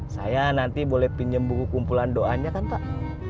saya nanti boleh pinjam buku kumpulan doanya kan pak